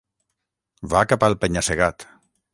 Va cap al penya-segat.